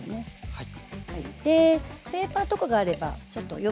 はい。